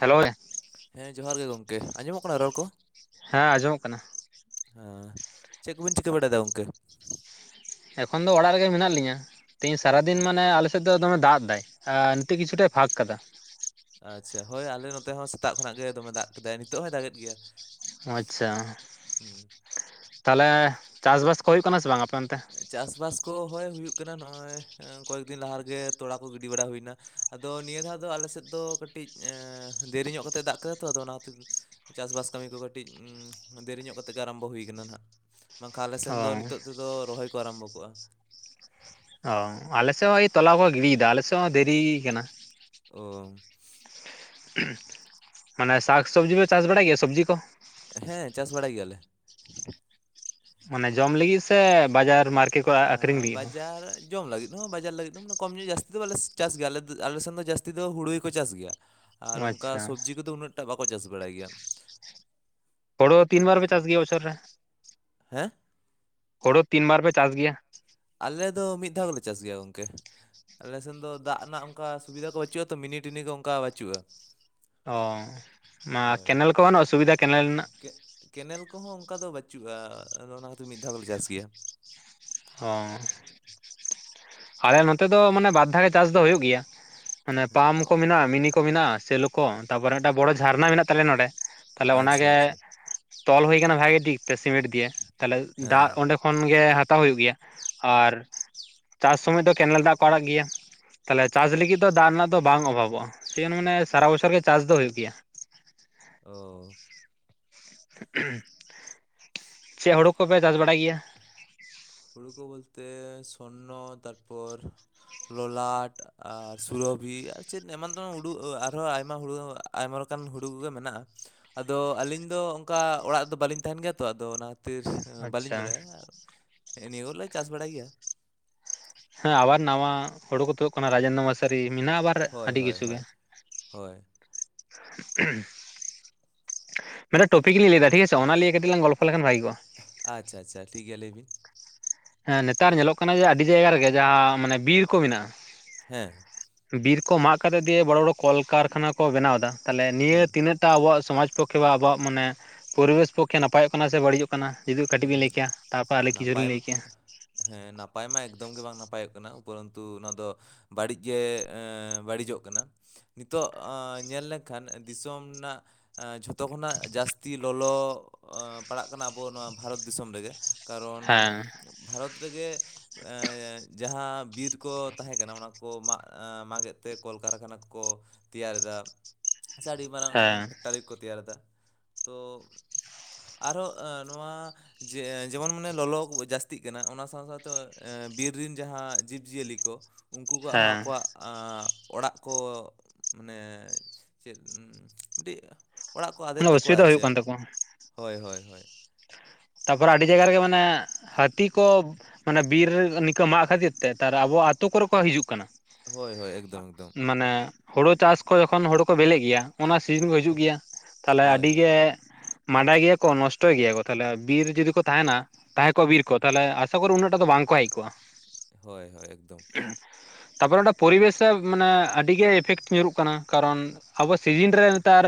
Hello [inaudible] ᱦᱮᱸ ᱡᱚᱦᱟᱨ ᱜᱮ ᱜᱚᱢᱠᱮ ᱟᱸᱡᱚᱢᱚᱜ ᱠᱟᱱᱟ ᱨᱚᱲ ᱠᱚ ᱦᱮᱸ ᱟᱸᱡᱚᱢᱚᱜ ᱠᱟᱱᱟ ᱦᱮ ᱪᱮᱜ ᱠᱚᱵᱤᱱ ᱪᱤᱠᱟᱹ ᱵᱟᱲᱟᱭ ᱫᱟ ᱜᱚᱝᱠᱮ ᱮᱠᱷᱚᱱ ᱫᱚ ᱚᱲᱟᱜ ᱨᱮᱜᱮ ᱢᱮᱱᱟᱜ ᱞᱤᱧᱟ ᱛᱮᱦᱮᱱ ᱥᱟᱨᱟᱫᱤᱱ ᱢᱟᱱᱮ ᱟᱞᱮᱥᱮᱫ ᱫᱚ ᱮᱫᱚᱢᱮ ᱫᱟᱜ ᱫᱟᱭ ᱟᱨ ᱱᱤᱛ ᱠᱤᱪᱷᱩᱴᱟᱭ ᱯᱷᱟᱠ ᱠᱟᱫᱟ ᱟᱪᱪᱷᱟ ᱦᱳᱭ ᱟᱞᱮ ᱱᱚᱛᱮ ᱦᱚᱸ ᱥᱮᱛᱟᱜ ᱠᱷᱚᱱᱟᱜ ᱜᱮ ᱫᱚᱢᱮ ᱫᱟᱜ ᱠᱮᱫᱟᱭ ᱱᱤᱛᱚᱜ ᱦᱚᱸᱭ ᱫᱟᱜᱮᱜ ᱜᱮᱭᱟ ᱟᱪᱪᱷᱟ ᱦᱩᱸ ᱛᱟᱦᱚᱞᱮ ᱪᱟᱥ ᱵᱟᱥ ᱠᱚ ᱦᱳᱭᱳᱜ ᱠᱟᱱᱟ ᱥᱮ ᱵᱟᱝ ᱟᱯᱮ ᱚᱱᱛᱮ ᱪᱟᱥ ᱵᱟᱥ ᱠᱚ ᱦᱳᱭ ᱦᱩᱭᱩᱜ ᱠᱟᱱᱟ ᱱᱚᱜᱼᱚᱭ ᱠᱚᱭᱮᱠᱫᱤᱱ ᱞᱟᱦᱟ ᱨᱮᱜᱮ ᱛᱚᱲᱟ ᱠᱚ ᱜᱤᱰᱤ ᱵᱟᱲᱟ ᱦᱩᱭᱱᱟ ᱟᱫᱚ ᱱᱤᱭᱟᱹ ᱫᱷᱟᱣ ᱫᱚ ᱟᱞᱮ ᱥᱮᱫ ᱫᱚ ᱠᱟᱹᱴᱤᱡ ᱫᱮᱨᱤ ᱧᱚᱜ ᱠᱟᱛᱮᱜ ᱫᱟᱜ ᱠᱮᱫᱟ ᱛᱚ ᱟᱫᱚ ᱚᱱᱟ ᱪᱟᱥᱼᱵᱟᱥ ᱠᱟᱹᱢᱤ ᱠᱚ ᱠᱟᱹᱴᱤᱡ ᱫᱮᱨᱤ ᱧᱚᱜ ᱠᱟᱛᱮᱫ ᱜᱮ ᱟᱨᱟᱢᱵᱷᱚ ᱦᱩᱭ ᱠᱟᱱᱟ ᱦᱟᱸᱜ ᱵᱟᱝ ᱠᱷᱟᱱ ᱟᱞᱮ ᱚ ᱥᱮᱱ ᱫᱚ ᱱᱤᱛᱚᱜ ᱛᱮᱫᱚ ᱨᱚᱦᱚᱭ ᱠᱚ ᱟᱨᱟᱢᱵᱷᱚ ᱠᱚᱜᱼᱟ ᱚ ᱟᱞᱮᱥᱮᱫ ᱦᱚᱸ ᱭ ᱛᱚᱞᱟ ᱠᱚ ᱜᱤᱰᱤᱭᱮᱫᱟ ᱟᱞᱮᱥᱮᱫ ᱦᱚᱸ ᱫᱮᱨᱤᱭ ᱠᱟᱱᱟ ᱳ [inaudible] ᱢᱟᱱᱮ ᱥᱟᱠᱥᱚᱵᱽᱡᱤ ᱯᱮ ᱪᱟᱥ ᱵᱟᱲᱟᱭ ᱜᱮᱭᱟ ᱥᱚᱵᱽᱡᱤ ᱠᱚ ᱦᱮᱸ ᱪᱟᱥ ᱵᱟᱲᱟᱭ ᱜᱤᱭᱟᱞᱮ ᱢᱟᱱᱮ ᱡᱚᱢ ᱞᱟᱹᱜᱤᱫ ᱥᱮ ᱵᱟᱡᱟᱨ ᱢᱟᱨᱠᱮᱴ ᱠᱚ ᱟᱠᱷᱨᱤᱧ ᱟᱸ ᱞᱟᱹᱜᱤᱫ ᱦᱚᱸ ᱵᱟᱡᱟᱨ ᱡᱚᱢ ᱞᱟᱹᱜᱤᱫ ᱦᱚᱸ ᱵᱟᱡᱟᱨ ᱞᱟᱹᱜᱤᱫ ᱦᱚᱸ ᱢ [inaudible] ᱠᱚᱢ ᱧᱚᱜ ᱡᱟᱹᱥᱛᱤ ᱫᱚ ᱵᱟᱞᱮ ᱪᱟᱥ ᱜᱮᱭᱟ ᱟᱞᱮ ᱫᱚ ᱟᱞᱮ ᱥᱮᱱ ᱫᱚ ᱡᱟᱹᱥᱛᱤ ᱫᱚ ᱦᱩᱲᱩ ᱜᱮᱠᱚ ᱪᱟᱥ ᱜᱮᱭᱟ ᱟᱨ ᱦᱚᱸ ᱚᱱᱠᱟ ᱟᱪᱪᱷᱟ ᱥᱚᱵᱡᱤ ᱠᱚᱫᱚ ᱩᱱᱟᱹᱜ ᱴᱟ ᱵᱟᱠᱚ ᱪᱟᱥ ᱵᱟᱲᱟᱭ ᱜᱮᱭᱟ᱾ ᱦᱳᱲᱳ ᱛᱤᱱ ᱵᱟᱨ ᱯᱮ ᱥᱚᱵᱽᱡᱤ ᱠᱚ᱾ ᱪᱟᱥ ᱜᱮᱭᱟ ᱵᱚᱪᱷᱚᱨ ᱨᱮ ᱦᱮᱸ ᱦᱳᱲᱳ ᱛᱤᱱ ᱵᱟᱨ ᱯᱮ ᱪᱟᱥ ᱜᱮᱭᱟ? ᱟᱞᱮ ᱫᱚ ᱢᱤᱫ ᱫᱷᱟᱣ ᱜᱮᱞᱮ ᱪᱟᱥ ᱜᱮᱭᱟ ᱜᱚᱝᱠᱮ ᱟᱞᱮ ᱥᱮᱱ ᱫᱚ ᱫᱟᱜ ᱱᱟᱜ ᱚᱱᱠᱟ ᱥᱩᱵᱤᱫᱷᱟ ᱠᱚ ᱵᱟᱹᱪᱩᱜᱼᱟᱛᱚ ᱢᱤᱱᱤ ᱴᱤᱱᱤ ᱚᱱᱠᱟ ᱵᱟᱹᱪᱩᱜᱼᱟ ᱚ ᱢᱟ ᱦᱳᱭ ᱠᱮᱱᱮᱞ ᱠᱚ ᱥᱩᱵᱤᱫᱟ ᱠᱮᱱᱮᱞ ᱨᱮᱱᱟᱜ ᱠᱮᱱᱮᱞ ᱠᱚᱦᱚᱸ ᱚᱱᱠᱟ ᱫᱚ ᱵᱟᱹᱪᱩᱜᱼᱟ ᱟᱫᱚ ᱚᱱᱟ ᱠᱷᱟᱹᱛᱤᱨ ᱢᱤᱫ ᱫᱷᱟᱣ ᱫᱚᱞᱮ ᱪᱟᱥ ᱜᱮᱭᱟ ᱚ ᱟᱞᱮ ᱱᱚᱛᱮ ᱫᱚ ᱢᱟᱱᱮ ᱵᱟᱨ ᱫᱷᱟᱣ ᱪᱟᱥ ᱫᱚ ᱦᱩᱭᱩᱜ ᱜᱮᱭᱟ ᱟᱱᱮ ᱯᱟᱢ ᱚ ᱠᱚ ᱢᱮᱱᱟᱜᱼᱟ ᱢᱤᱱᱤ ᱠᱚ ᱢᱮᱱᱟᱜᱼᱟ ᱥᱮᱞᱚ ᱠᱚ ᱛᱟᱯᱚᱨᱮ ᱢᱤᱫᱴᱟᱝ ᱵᱚᱲᱚ ᱡᱷᱟᱨᱱᱟ ᱢᱮᱱᱟᱜ ᱛᱟᱞᱮᱭᱟ ᱱᱚᱰᱮ ᱛᱟᱦᱞᱮ ᱟᱪᱪᱷᱟ ᱚᱱᱟᱜᱮ ᱟᱪᱪᱷᱟ ᱛᱚᱞ ᱦᱩᱭ ᱟᱠᱟᱱᱟ ᱵᱷᱟᱜᱤ ᱫᱤᱠ ᱛᱮ ᱥᱤᱢᱮᱱᱴ ᱫᱤᱭᱮ ᱛᱟᱦᱞᱮ ᱦᱮᱸ ᱫᱟᱜ ᱦᱮᱸ ᱚᱸᱰᱮ ᱠᱷᱚᱱ ᱜᱮ ᱦᱟᱛᱟᱣ ᱦᱩᱭᱩᱜ ᱜᱮᱭᱟ ᱟᱨ ᱪᱟᱥ ᱥᱚᱢᱚᱭ ᱫᱚ ᱠᱮᱱᱮᱞ ᱫᱟᱜ ᱠᱚ ᱟᱲᱟᱜ ᱜᱮᱭᱟ ᱛᱟᱦᱞᱮ ᱪᱟᱥ ᱞᱟᱹᱜᱤᱫ ᱫᱚ ᱫᱟᱜ ᱨᱮᱱᱟᱜ ᱫᱚ ᱵᱟᱝ ᱚᱵᱷᱟᱵᱚᱜᱼᱟ ᱥᱮ ᱢᱟᱱᱮ ᱥᱟᱨᱟ ᱵᱚᱪᱚᱨ ᱜᱮ ᱪᱟᱥ ᱫᱚ ᱦᱩᱭᱩᱜ ᱜᱮᱭᱟ ᱚ ᱪᱮ ᱦᱩᱲᱩ ᱠᱚᱯᱮ ᱪᱟᱥ ᱵᱟᱲᱟᱭ ᱜᱮᱭᱟ ᱦᱩᱲᱩᱠᱟᱹ ᱵᱚᱞᱛᱮ ᱥᱚᱨᱱᱚ ᱛᱟᱨᱯᱚᱨ ᱞᱚᱞᱟᱴ ᱟᱨ ᱥᱩᱨᱚᱵᱷᱤ ᱟᱨ ᱪᱮᱫ ᱮᱢᱟᱱ ᱫᱚ ᱩᱰᱩ ᱟᱨᱦᱚᱸ ᱟᱭᱢᱟ ᱦᱩᱲᱩ ᱟᱭᱢᱟ ᱞᱮᱠᱟᱱ ᱦᱩᱲᱩ ᱠᱚᱜᱮ ᱢᱮᱱᱟᱜᱼᱟ ᱟᱫᱚ ᱟᱹᱞᱤᱧ ᱫᱚ ᱚᱱᱠᱟ ᱚᱲᱟᱜ ᱨᱮᱫᱚ ᱵᱟᱹᱞᱤᱧ ᱛᱟᱦᱮᱱ ᱜᱮᱭᱟ ᱛᱚ ᱟᱫᱚ ᱚᱱᱟ ᱠᱷᱟᱹᱛᱤᱨ ᱵᱟᱹᱞᱤᱧ ᱟᱪᱪᱷᱟ ᱵᱟᱲᱟᱭᱟ ᱦᱮᱸ ᱱᱤᱭᱟᱹ ᱦᱚᱸᱞᱮ ᱪᱟᱥ ᱵᱟᱲᱟᱭ ᱜᱮᱭᱟ ᱦᱮᱸ ᱟᱵᱟᱨ ᱱᱟᱣᱟ ᱦᱳᱲᱩ ᱠᱚ [inaudible] ᱠᱟᱱᱟ ᱨᱟᱡᱮᱱ [inaudible] ᱢᱟᱥ [inaudible] ᱢᱮᱱᱟᱜᱼᱟ ᱟᱵᱟᱨ ᱦᱳᱭ ᱟᱹᱰᱤ ᱦᱳᱭ ᱠᱤᱪᱷᱩ ᱜᱮ ᱦᱳᱭ ᱦᱳᱭ ᱢᱟᱱᱮᱛᱚ ᱴᱚᱯᱤᱠ ᱞᱤᱧ ᱞᱟᱹᱭᱮᱫᱟ ᱴᱷᱤᱠ ᱟᱪᱷᱮ ᱚᱱᱟ ᱞᱤᱭᱮ ᱠᱟᱹᱴᱤᱡ ᱞᱟᱝ ᱜᱚᱞᱯᱚ ᱞᱮᱠᱷᱟᱱ ᱵᱷᱟᱜᱮ ᱠᱚᱣᱟ ᱟᱪᱪᱷᱟ ᱟᱪᱪᱷᱟ ᱴᱷᱤᱠ ᱜᱤᱭᱟ ᱞᱟᱹᱭ ᱵᱤᱱ ᱦᱮᱸ ᱱᱮᱛᱟᱨ ᱧᱮᱞᱚᱜ ᱠᱟᱱᱟ ᱡᱮ ᱟᱹᱰᱤ ᱡᱟᱭᱜᱟ ᱨᱮᱜᱮ ᱡᱟᱦᱟᱸ ᱢᱟᱱᱮ ᱵᱤᱨ ᱠᱚ ᱢᱤᱱᱟᱜᱼᱟ ᱦᱮᱸ ᱵᱤᱨ ᱠᱚ ᱢᱟᱜ ᱠᱟᱛᱮᱜ ᱫᱤᱭᱮ ᱵᱚᱲᱚ ᱵᱚᱲᱚ ᱠᱚᱞᱠᱟᱨᱠᱷᱟᱱᱟ ᱠᱚ ᱵᱮᱱᱟᱣ ᱫᱟ ᱛᱟᱦᱚᱞᱮ ᱱᱤᱭᱟᱹ ᱦᱩᱸ ᱛᱤᱱᱟᱹᱜ [inaudible] ᱟᱵᱚᱣᱟᱜ ᱥᱚᱢᱟᱡᱽ ᱯᱚᱠᱠᱷᱮ ᱵᱟ ᱟᱵᱚᱣᱟᱜ ᱢᱟᱱᱮ ᱯᱚᱨᱤᱵᱮᱥ ᱯᱚᱠᱠᱷᱮ ᱱᱟᱯᱟᱭᱚᱜ ᱠᱟᱱᱟ ᱥᱮ ᱵᱟᱹᱲᱤᱡᱚᱜ ᱠᱟᱱᱟ ᱡᱩᱫᱤ ᱠᱟᱹᱴᱤᱡ ᱵᱤ ᱞᱟᱹᱭ ᱠᱮᱭᱟ ᱩᱸ, ᱛᱟᱯᱚᱨ ᱟᱞᱮ ᱠᱤᱪᱷᱩ ᱱᱟᱯᱟᱭ ᱞᱤᱧ ᱞᱟᱹᱭ ᱠᱮᱭᱟ ᱦᱮᱸ ᱱᱟᱯᱟᱭ ᱢᱟ ᱮᱠᱫᱚᱢ ᱜᱮ ᱵᱟᱝ ᱱᱟᱯᱟᱭᱚᱜ ᱠᱟᱱᱟ ᱩᱯᱚᱨᱚᱱᱛᱩ ᱚᱱᱟ ᱫᱚ ᱵᱟᱹᱲᱤᱡ ᱜᱮ ᱵᱟᱹᱲᱤᱡᱚᱜ ᱠᱟᱱᱟ ᱱᱤᱛᱚᱜ ᱚᱸ ᱧᱮᱞ ᱞᱮᱠᱷᱟᱱ ᱫᱤᱥᱚᱢ ᱨᱮᱱᱟᱜ ᱡᱷᱚᱛᱚ ᱠᱷᱚᱱᱟᱜ ᱡᱟᱹᱥᱛᱤ ᱞᱚᱞᱚ ᱯᱟᱲᱟᱜ ᱠᱟᱱᱟ ᱟᱵᱚ ᱱᱚᱣᱟ ᱵᱷᱟᱨᱚᱛ ᱫᱤᱥᱚᱢ ᱨᱮᱜᱮ ᱠᱟᱨᱚᱱ ᱦᱮᱸ ᱵᱷᱟᱨᱚᱛ ᱨᱮᱜᱮ ᱮᱸ ᱡᱟᱦᱟᱸ ᱵᱤᱨ ᱠᱚ ᱛᱟᱦᱮᱸ ᱠᱟᱱᱟ ᱚᱱᱟ ᱠᱚ ᱢᱟᱜ ᱢᱟᱜᱮᱫ ᱛᱮ ᱠᱚᱞᱠᱟᱨᱠᱷᱟᱱᱟ ᱠᱚᱠᱚ ᱛᱮᱭᱟᱨ ᱮᱫᱟ ᱥᱮ ᱟᱹᱰᱤ ᱢᱟᱨᱟᱝ ᱦᱮᱸ ᱯᱷᱮᱠᱴᱟᱨᱤ ᱠᱚ ᱛᱮᱭᱟᱨᱮᱫᱟ ᱛᱚ ᱟᱨᱦᱚᱸᱜ ᱱᱚᱣᱟ ᱡᱮ ᱡᱮᱢᱚᱱ ᱢᱟᱱᱮ ᱞᱚᱞᱚ ᱡᱟᱥᱛᱤᱜ ᱠᱟᱱᱟ ᱚᱱᱟ ᱥᱟᱶ ᱥᱟᱶᱛᱮ ᱮᱸ ᱵᱤᱨ ᱨᱮᱱ ᱡᱟᱦᱟᱸ ᱡᱤᱵ ᱡᱤᱭᱟᱹᱞᱤ ᱠᱚ ᱩᱱᱠᱩ ᱠᱚᱣᱟᱜ ᱦᱚᱸ ᱦᱮᱸ ᱟᱠᱚᱣᱟᱜ ᱟᱸ ᱚᱲᱟᱜ ᱠᱚ ᱢᱟᱱᱮ ᱪᱮᱫ [inaudible] ᱚᱲᱟᱜ ᱠᱚ ᱟᱫᱮᱜ ᱢᱟᱱᱮ ᱛᱟᱠᱚᱣᱟ ᱚᱥᱩᱵᱤᱫᱟ ᱟᱨ ᱦᱩᱭᱩᱜ ᱪᱮᱫ? ᱠᱟᱱ ᱛᱟᱠᱚᱣᱟ ᱦᱳᱭ ᱦᱳᱭ ᱦᱳᱭ ᱛᱟᱯᱚᱨᱮ ᱟᱹᱰᱤ ᱡᱟᱭᱜᱟ ᱨᱮᱜᱮ ᱢᱟᱱᱮ ᱦᱟᱹᱛᱤ ᱠᱚ ᱢᱟᱱᱮ ᱵᱤᱨ ᱱᱤᱝᱠᱟ ᱢᱟᱜ ᱠᱷᱟᱹᱛᱤᱨ ᱛᱮ ᱛᱟᱨ ᱟᱵᱚ ᱟᱛᱳ ᱠᱚᱨᱮ ᱠᱚ ᱦᱤᱹᱡᱩᱜ ᱠᱟᱱᱟ ᱦᱳᱭ ᱦᱳᱭ ᱮᱠᱫᱚᱢ ᱮᱠᱫᱚᱢ ᱢᱟᱱᱮ ᱦᱳᱲᱳ ᱪᱟᱥ ᱠᱚ ᱡᱚᱠᱷᱚᱱ ᱦᱳᱲᱳ ᱠᱚ ᱵᱤᱞᱮᱜ ᱜᱮᱭᱟ ᱚᱱᱟ ᱥᱤᱡᱮᱱ ᱠᱚ ᱦᱟᱹᱡᱩᱜ ᱜᱮᱭᱟ ᱛᱟᱦᱚᱞᱮ ᱦᱳᱭ ᱟᱹᱰᱤ ᱦᱳᱭ ᱜᱮ ᱢᱟᱰᱟᱭ ᱜᱮᱭᱟ ᱠᱚ ᱱᱚᱥᱴᱚᱭ ᱜᱮᱭᱟ ᱠᱚ ᱛᱟᱦᱚᱞᱮ ᱵᱤᱨ ᱨᱮ ᱡᱩᱫᱤ ᱠᱚ ᱛᱟᱦᱮᱱᱟ ᱛᱟᱦᱮᱸ ᱠᱚᱜᱼᱟ ᱵᱤᱨ ᱠᱚ ᱛᱟᱦᱚᱞᱮ ᱟᱥᱟ ᱠᱚᱨᱚ ᱩᱱᱟᱹᱜ ᱴᱟᱜ ᱫᱚ ᱵᱟᱝᱠᱚ ᱦᱮᱡ ᱠᱚᱜᱼᱟ ᱦᱳᱭ ᱦᱳᱭ ᱮᱠᱫᱚᱢ ᱛᱟᱯᱚᱨᱮ ᱚᱸᱰᱮ ᱯᱚᱨᱤᱵᱮᱥᱮ ᱢᱟᱱᱮ ᱟᱹᱰᱤ ᱜᱮ ᱮᱯᱷᱮᱠᱴ ᱧᱩᱨᱩᱜ ᱠᱟᱱᱟ ᱠᱟᱨᱚᱱ ᱟᱵᱚ ᱥᱤᱡᱮᱱ ᱨᱮ ᱱᱮᱛᱟᱨ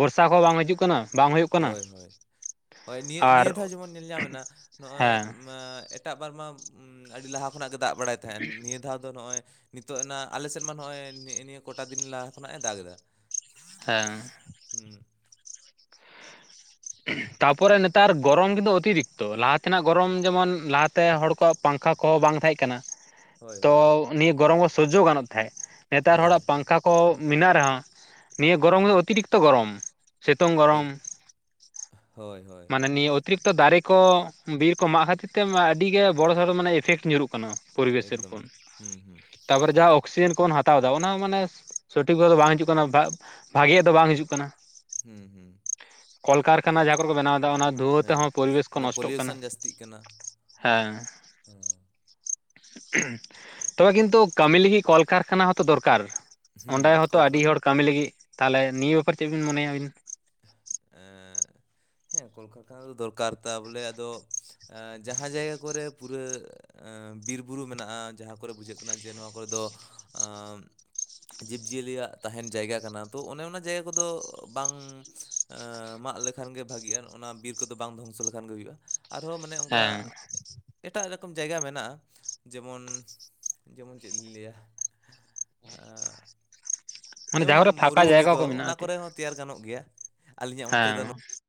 ᱵᱚᱨᱥᱟ ᱠᱚᱦᱚᱸ ᱵᱟᱝ ᱦᱟᱹᱡᱩᱜ ᱠᱟᱱᱟ ᱵᱟᱝ ᱦᱩᱭᱩᱜ ᱠᱟᱱᱟ ᱦᱳᱭ ᱦᱳᱭ ᱦᱳᱭ ᱱᱤᱭᱟᱹ ᱟᱨ ᱱᱤᱭᱟᱹ ᱫᱷᱟᱣ ᱡᱮᱢᱚᱱ ᱧᱮᱞ ᱧᱟᱢᱱᱟ ᱱᱚᱜ ᱚᱭ ᱦᱮᱸ ᱢᱟ ᱮᱴᱟᱜ ᱵᱟᱨ ᱢᱟ ᱟᱹᱰᱤ ᱞᱟᱦᱟ ᱠᱷᱚᱱᱟᱜ ᱜᱮ ᱫᱟᱜ ᱵᱟᱲᱟᱭ ᱛᱟᱦᱮᱸᱱ ᱱᱤᱭᱟᱹ ᱫᱷᱟᱣ ᱫᱚ ᱱᱚᱜᱼᱚᱭ ᱱᱤᱛᱚᱜ ᱱᱟ ᱟᱞᱮ ᱥᱮᱫ ᱢᱟ ᱱᱚᱜᱼᱚᱭ ᱱᱮᱜᱼ ᱱᱤᱭᱟᱹ ᱠᱚᱴᱟ ᱫᱤᱱ ᱞᱟᱦᱟ ᱠᱷᱚᱱᱟᱜᱼ ᱮ ᱫᱟᱜᱽ ᱮᱫᱟ ᱦᱮᱸ ᱦᱩ [inaudible] ᱛᱟᱯᱚᱨᱮ ᱱᱮᱛᱟᱨ ᱜᱚᱨᱚᱢ ᱠᱤᱱᱛᱩ ᱚᱛᱤᱨᱤᱠᱛᱚ ᱞᱟᱦᱟ ᱛᱮᱱᱟᱜ ᱜᱚᱨᱚᱢ ᱡᱮᱢᱚᱱ ᱞᱟᱦᱟᱛᱮ ᱦᱚᱲ ᱠᱚᱣᱟᱜ ᱯᱟᱝᱠᱷᱟ ᱠᱚᱦᱚᱸ ᱵᱟᱝ ᱛᱟᱦᱮᱸᱜ ᱠᱟᱱᱟ ᱦᱳᱭ ᱛᱚ ᱦᱳᱭ ᱱᱤᱭᱟᱹ ᱜᱚᱨᱚᱢ ᱠᱚ ᱥᱚᱡᱡᱚ ᱜᱟᱱᱚᱜ ᱛᱟᱦᱮᱸᱫ ᱱᱮᱛᱟᱨ ᱦᱳᱭ ᱦᱚᱲᱟᱜ ᱯᱟᱝᱠᱷᱟ ᱠᱚ ᱢᱮᱱᱟᱜ ᱨᱮᱦᱚᱸ ᱱᱤᱭᱟᱹ ᱜᱚᱨᱚᱢ ᱚᱛᱤᱨᱤᱠᱛᱚ ᱜᱚᱨᱚᱢ ᱥᱤᱛᱩᱝ ᱮᱠ ᱜᱚᱨᱚᱢ ᱦᱳᱭ ᱦᱳᱭ ᱢᱟᱱᱮ ᱱᱤᱭᱟᱹ ᱚᱛᱤᱨᱤᱠᱛᱚ ᱫᱟᱨᱮ ᱠᱚ ᱵᱤᱨ ᱠᱚ ᱢᱟᱜ ᱠᱷᱟᱹᱛᱤᱨ ᱛᱮ ᱟᱹᱰᱤ ᱜᱮ ᱵᱚᱲᱚ ᱥᱚᱲᱚ ᱢᱟᱱᱮ ᱮᱯᱷᱮᱠᱴ ᱧᱩᱨᱩᱜ ᱠᱟᱱᱟ ᱯᱚᱨᱤᱵᱮᱥᱮᱨ ᱮᱠᱫᱚᱢ ᱦᱩᱸ ᱦᱩᱸ [inaudible] ᱛᱟᱨᱯᱚᱨᱮ ᱡᱟᱦᱟᱸ ᱚᱠᱥᱤᱡᱮᱱ ᱠᱚᱵᱚᱱ ᱦᱟᱛᱟᱣ ᱫᱟ ᱚᱱᱟ ᱦᱚᱸ ᱢᱟᱱᱮ ᱥᱚᱴᱷᱤᱠ [inaudible] ᱫᱚ ᱵᱟᱝ ᱦᱤᱡᱩᱜ ᱠᱟᱱᱟ ᱵᱷᱟᱜᱤᱭᱟᱜ ᱫᱚ ᱵᱟᱝ ᱦᱤᱡᱩᱜ ᱠᱟᱱᱟ ᱦᱩᱸ ᱦᱩᱸ ᱠᱚᱞᱠᱟᱨᱠᱷᱟᱱᱟ ᱡᱟᱦᱟᱸ ᱠᱚᱨᱮ ᱠᱚ ᱵᱮᱱᱟᱣᱫᱟ ᱚᱱᱟ ᱫᱷᱩᱣᱟᱺ ᱦᱮᱸ ᱛᱮᱦᱚᱸ ᱯᱚᱨᱤᱵᱮᱥ ᱠᱚ ᱚᱱᱮ ᱱᱚᱥᱴᱚᱜ ᱠᱟᱱᱟ, ᱯᱚᱞᱤᱭᱩᱥᱚᱱ ᱦᱮᱸ ᱦᱩ ᱛᱚᱵᱮ ᱠᱤᱱᱛᱩ ᱠᱟᱹᱢᱤ ᱞᱟᱹᱜᱤᱫ ᱠᱚᱞᱠᱟᱨᱠᱷᱟᱱᱟ ᱦᱚᱸᱛᱚ ᱫᱚᱨᱠᱟᱨ ᱦᱩᱸ ᱚᱸᱰᱮ ᱦᱚᱸᱛᱚ ᱟᱹᱰᱤ ᱠᱚᱞᱠᱷᱟᱨ ᱦᱚᱲ ᱠᱟᱹᱢᱤ ᱞᱟᱹᱜᱤᱫ ᱛᱟᱦᱚᱞᱮ ᱱᱤᱭᱟᱹ ᱵᱮᱯᱟᱨ ᱪᱮᱫ ᱵᱤᱱ ᱢᱚᱱᱮᱭᱟ ᱟᱹᱵᱤᱱ? ᱮᱸ ᱦᱮᱸ ᱠᱚᱞᱠᱟᱨᱠᱷᱟᱱᱟ ᱫᱚ ᱫᱚᱨᱠᱟᱨ ᱛᱟ ᱵᱚᱞᱮ ᱟᱫᱚ ᱟᱸ ᱡᱟᱦᱟᱸ ᱡᱟᱭᱜᱟ ᱠᱚᱨᱮᱜ ᱯᱩᱨᱟᱹ ᱮᱸ ᱵᱤᱨᱼᱵᱩᱨᱩ ᱢᱮᱱᱟᱜᱼᱟ ᱡᱟᱦᱟᱸ ᱠᱚᱨᱮᱜ ᱵᱩᱡᱷᱟᱹᱜ ᱠᱟᱱᱟ ᱡᱮ ᱱᱚᱣᱟ ᱠᱚᱨᱮ ᱫᱚ ᱟᱼᱼ ᱡᱤᱵᱽᱼᱡᱤᱭᱟᱹᱞᱤᱭᱟᱜ ᱛᱟᱦᱮᱱ ᱡᱟᱭᱜᱟ ᱠᱟᱱᱟ ᱛᱚ ᱚᱱᱮ ᱚᱱᱟ ᱡᱟᱭᱜᱟ ᱠᱚᱫᱚ ᱵᱟᱝ ᱟᱻ ᱢᱟᱜ ᱞᱮᱠᱷᱟᱱ ᱜᱮ ᱵᱷᱟᱹᱜᱮᱜᱼᱟ ᱚᱱᱟ ᱵᱤᱨ ᱠᱚᱫᱚ ᱵᱟᱝ ᱫᱷᱚᱝᱥᱚ ᱞᱮᱠᱷᱟᱱ ᱜᱮ ᱦᱩᱭᱩᱜᱼᱟ ᱟᱨᱦᱚᱸ ᱢᱟᱱᱮ ᱚᱱᱠᱟ ᱦᱮᱸ ᱮᱴᱟᱜ ᱨᱚᱠᱚᱢ ᱡᱟᱭᱜᱟ ᱢᱮᱱᱟᱜᱼᱟ ᱡᱮᱢᱚᱱ ᱡᱮᱢᱚᱱ ᱪᱮᱫ ᱞᱤᱧ ᱞᱟᱹᱭᱟ ᱟ ᱢᱟᱱᱮ ᱡᱮᱢᱚᱱ ᱡᱟᱦᱟᱸ ᱠᱚᱨᱮ ᱯᱷᱟᱸᱠᱟ ᱢᱩᱨᱩᱵᱷᱩᱢᱤ ᱡᱟᱭᱜᱟ ᱠᱚ ᱢᱮᱱᱟᱜᱼᱟ ᱚᱱᱟ ᱮᱱᱛᱮᱫ ᱠᱚᱨᱮ ᱦᱚᱸ ᱛᱮᱭᱟᱨ ᱜᱟᱱᱚᱜ ᱜᱮᱭᱟ ᱟᱞᱤᱧᱟᱜ ᱢᱚᱛ ᱦᱮᱸ ᱛᱮᱫᱚ